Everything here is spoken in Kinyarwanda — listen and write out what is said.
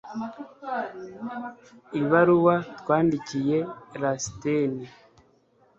ibaruwa twandikiye lasiteni